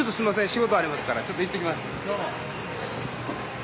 仕事ありますからちょっと行ってきます。